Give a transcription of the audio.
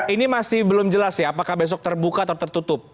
ini masih belum jelas ya apakah besok terbuka atau tertutup